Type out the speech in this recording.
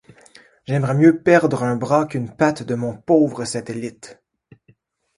J’aimerais mieux perdre un bras qu’une patte de mon pauvre Satellite !